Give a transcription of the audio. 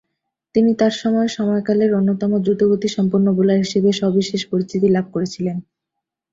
তিনি তার সময়কালের অন্যতম দ্রুতগতিসম্পন্ন বোলার হিসেবে সবিশেষ পরিচিতি লাভ করেছিলেন।